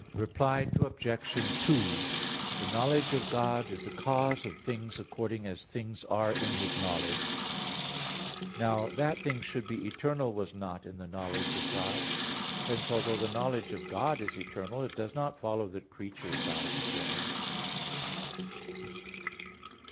Reply Obj. 2: The knowledge of God is the cause of things according as things are in His knowledge. Now that things should be eternal was not in the knowledge of God; hence although the knowledge of God is eternal, it does not follow that creatures are eternal.